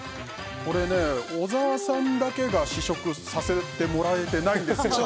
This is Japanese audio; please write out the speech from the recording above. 小沢さんだけが試食させてもらえていないんですよね。